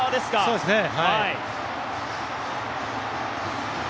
そうですね。